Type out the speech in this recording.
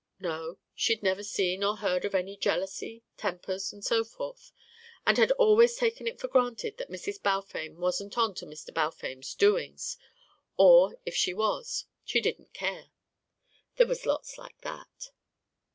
No, she'd never seen or heard any jealousy, tempers, and so forth, and had always taken it for granted that Mrs. Balfame wasn't on to Mr. Balfame's doings or if she was, she didn't care. There was lots like that.